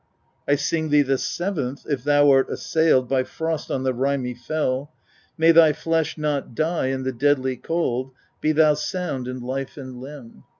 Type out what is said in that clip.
12. I sing thee the seventh : if thou art assailed by frost on the rimy fell, may thy flesh not die in the deadly cold ; be thou sound in life and limb.